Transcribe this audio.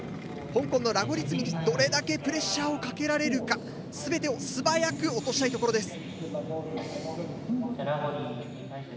香港のラゴリ積みにどれだけプレッシャーをかけられるか全てを素早く落としたいところです。